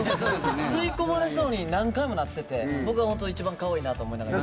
吸い込まれそうに何回もなってて僕が本当に一番かわいいなと思いながら。